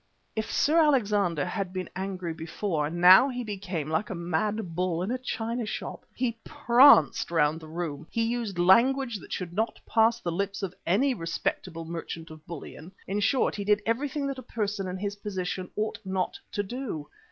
If Sir Alexander had been angry before, now he became like a mad bull in a china shop. He pranced round the room; he used language that should not pass the lips of any respectable merchant of bullion; in short, he did everything that a person in his position ought not to do.